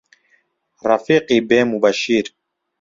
ڕەفیقی بێ موبەشیر